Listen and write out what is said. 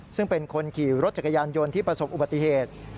ซึ่งเป็นคนขี่รถจักรยานยนต์ที่ประสบอุบัติเหตุ